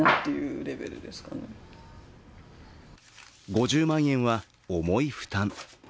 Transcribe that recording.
５０万円は重い負担。